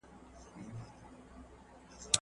که غږ سم نه وي مانا ګډه وي.